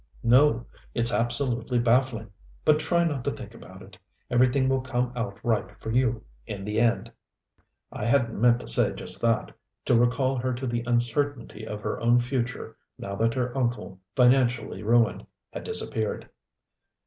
"No. It's absolutely baffling. But try not to think about it. Everything will come out right for you, in the end." I hadn't meant to say just that to recall her to the uncertainty of her own future now that her uncle, financially ruined, had disappeared.